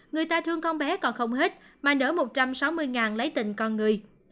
người ta thương con bé còn không hết mà nở một trăm sáu mươi lấy tình con người